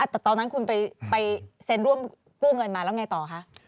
แต่ตอนนั้นคุณไปเซ็นร่วมกู้เงินมาแล้วไงต่อคะ